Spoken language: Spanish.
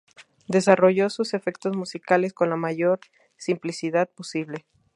Desarrollo sus efectos musicales con la mayor simplicidad posible.